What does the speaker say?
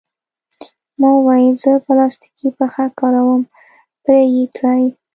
ما وویل: زه پلاستیکي پښه کاروم، پرې یې کړئ.